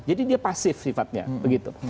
jadi dia pasif sifatnya begitu